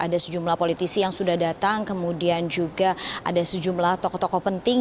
ada sejumlah politisi yang sudah datang kemudian juga ada sejumlah tokoh tokoh penting